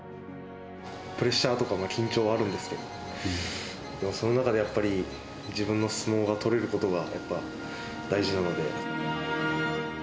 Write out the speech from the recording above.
プレッシャーとかも、緊張もあるんですけど、その中でやっぱり、自分の相撲が取れることがやっぱ大事なので。